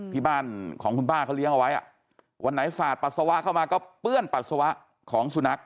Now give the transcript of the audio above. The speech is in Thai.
ที่บ้านของคุณป้าเขาเลี้ยงเอาไว้วันไหนสาดปัสสาวะเข้ามาก็เปื้อนปัสสาวะของสุนัข